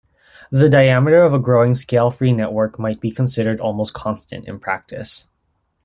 The diameter of a growing scale-free network might be considered almost constant in practice.